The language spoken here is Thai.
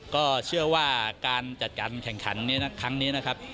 ก็เชื่อว่าการจัดการแข่งขันในครั้งนี้นะครับ